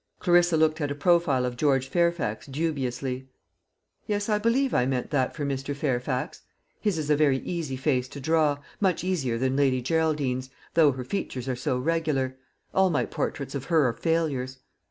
Clarissa looked at a profile of George Fairfax dubiously. "Yes, I believe I meant that for Mr. Fairfax; his is a very easy face to draw, much easier than Lady Geraldine's, though her features are so regular. All my portraits of her are failures."